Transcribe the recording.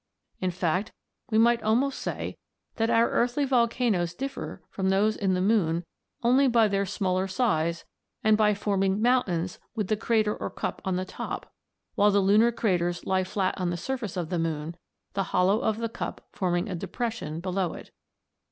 In fact, we might almost say that our earthly volcanoes differ from those in the moon only by their smaller size and by forming mountains with the crater or cup on the top; while the lunar craters lie flat on the surface of the moon, the hollow of the cup forming a depression below it.